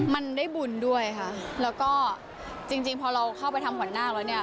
มันได้บุญด้วยค่ะแล้วก็จริงจริงพอเราเข้าไปทำขวัญนาคแล้วเนี่ย